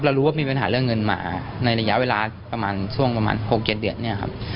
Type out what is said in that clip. รู้ว่ามีปัญหาเรื่องเงินมาในระยะเวลาประมาณช่วงประมาณ๖๗เดือนเนี่ยครับ